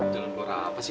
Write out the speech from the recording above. jalan keluar apa sih